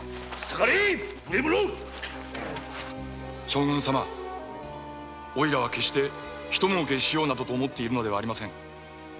将軍様オイラは決してひともうけしようなどと思っているのではありません。